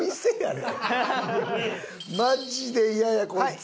マジでイヤやこいつ。